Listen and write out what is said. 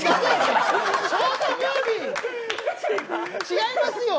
違いますよ。